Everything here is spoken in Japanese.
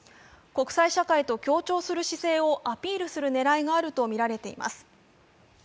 国際社会と協調する姿勢をアピールする狙いがあるとみられています。